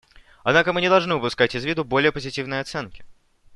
Однако мы не должны упускать из виду более позитивные оценки.